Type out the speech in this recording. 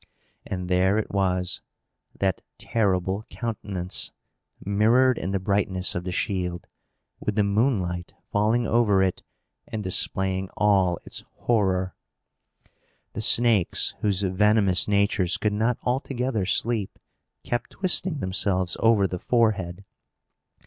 And there it was that terrible countenance mirrored in the brightness of the shield, with the moonlight falling over it, and displaying all its horror. The snakes, whose venomous natures could not altogether sleep, kept twisting themselves over the forehead.